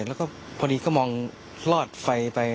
แล้วก็พอดีก็มองลอดไฟไป